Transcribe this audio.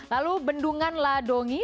lalu bendungan ladongi